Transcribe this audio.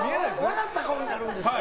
笑った顔になるんです。